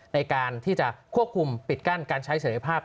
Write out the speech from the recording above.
ในการที่จะควบคุมปิดกั้นการใช้เสร็จภาพ